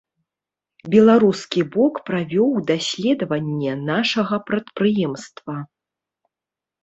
Беларускі бок правёў даследаванне нашага прадпрыемства.